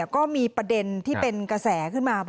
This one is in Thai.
ก็มีประเด็นที่เป็นกระแสขึ้นมา